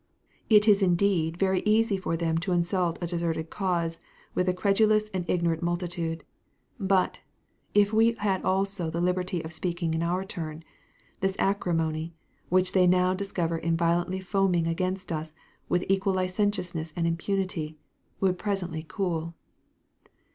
It is indeed very easy for them to insult a deserted cause with the credulous and ignorant multitude; but, if we had also the liberty of speaking in our turn, this acrimony, which they now discover in violently foaming against us with equal licentiousness and impunity, would presently cool.